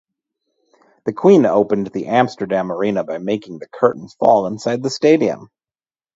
The Queen opened the Amsterdam Arena by making a curtain fall inside the stadium.